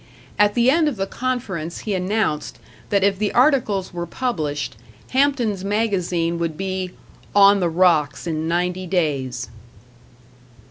At the end of the conference he announced that if the articles were published, Hampton's Magazine would be "on the rocks in ninety days."